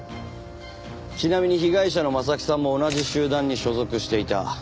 ちなみに被害者の征木さんも同じ集団に所属していた。